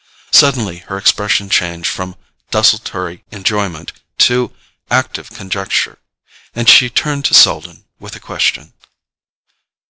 Suddenly her expression changed from desultory enjoyment to active conjecture, and she turned to Selden with a question.